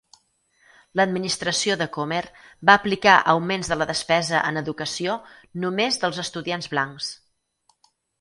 L'administració de Comer va aplicar augments de la despesa en educació només dels estudiants blancs.